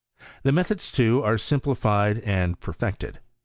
The methods, too, are simplified and perfected.